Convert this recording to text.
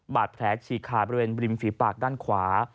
บาดแผลฉีกขาดบริเวณริมฝีปากด้านขวา